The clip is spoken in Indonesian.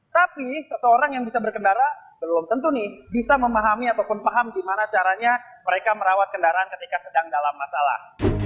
tapi seseorang yang bisa berkendara belum tentu nih bisa memahami ataupun paham gimana caranya mereka merawat kendaraan ketika sedang dalam masalah